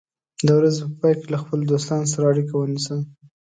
د ورځې په پای کې له خپلو دوستانو سره اړیکه ونیسه.